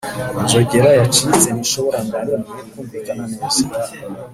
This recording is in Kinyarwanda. inzogera yacitse ntishobora na rimwe kumvikana neza.